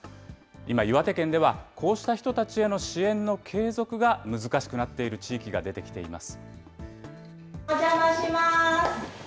今、岩手県では、こうした人たちへの支援の継続が難しくなっている地域が出てきています。